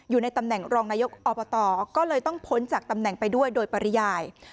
อยู่ในตำแหน่งรองนายกอบตก็เลยต้องพ้นจากตำแหน่งไปด้วยโดยปริยาย